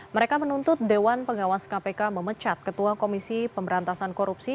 mereka menuntut dewan pengawas kpk memecat ketua komisi pemberantasan korupsi